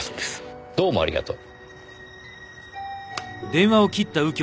どうもありがとう。